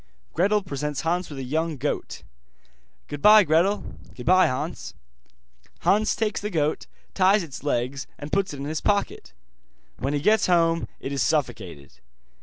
Gretel presents Hans with a young goat. 'Goodbye, Gretel.' 'Goodbye, Hans.' Hans takes the goat, ties its legs, and puts it in his pocket. When he gets home it is suffocated.